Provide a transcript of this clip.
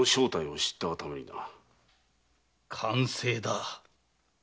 〔完成だ！